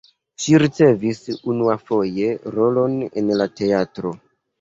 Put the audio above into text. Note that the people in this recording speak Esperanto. Ŝi ricevis unuafoje rolon en la teatro.